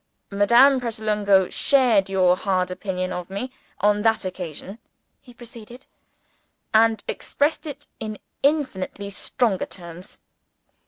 "Madame Pratolungo shared your hard opinion of me, on that occasion," he proceeded; "and expressed it in infinitely stronger terms.